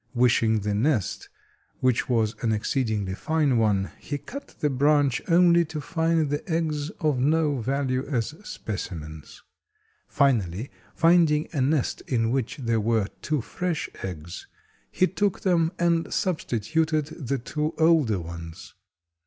Wishing the nest, which was an exceedingly fine one, he cut the branch only to find the eggs of no value as specimens. Finally, finding a nest in which there were two fresh eggs, he took them and substituted the two older ones.